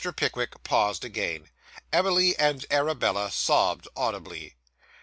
Pickwick paused again: Emily and Arabella sobbed audibly.